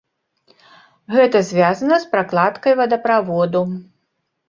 Гэта звязана з пракладкай вадаправоду.